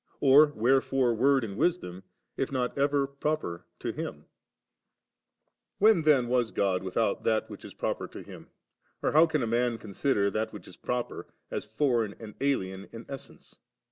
or wherefore Word and Wisdom, if not ever proper to Him ? aa When then was God without that which is proper to Him ? or how can a man consider that which is proper, as foreign and alien in essence?